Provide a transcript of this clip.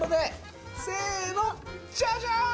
せーのジャジャーン！